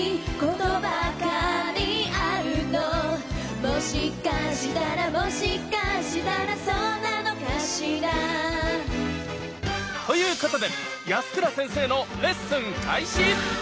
「もしかしたらもしかしたらそうなのかしら」ということで安倉先生のレッスン開始！